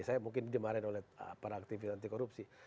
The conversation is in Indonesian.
saya mungkin dimarahin oleh para aktivis anti korupsi